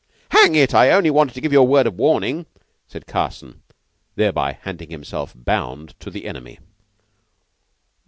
"Hang it! I only wanted to give you a word of warning," said Carson, thereby handing himself bound to the enemy.